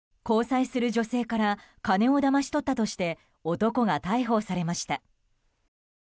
交際する女性から金をだまし取ったとして男が逮捕されました。